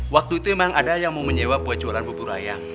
waktu itu memang ada yang mau menyewa buat jualan bubur ayam